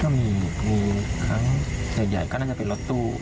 เรายังมีครั้งใหญ่ว่าก็น่าจะเป็นรถตู้